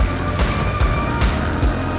itu kan geng jadul